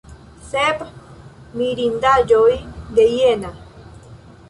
Sep mirindaĵoj de Jena.